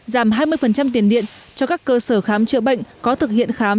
giảm hai mươi tiền điện cho các cơ sở khám chữa bệnh có thực hiện khám